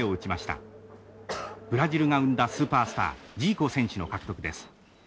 ブラジルが生んだスーパースタージーコ選手の獲得です。